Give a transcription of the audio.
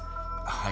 はい。